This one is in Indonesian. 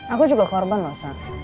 aku juga korban masa